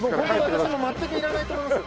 私も全くいらないと思います。